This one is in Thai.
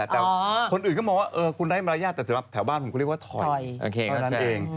แต่คนอื่นก็บอกว่าคุณได้มารยาทแต่สำหรับแถวบ้านผมคุณเรียกว่าถอย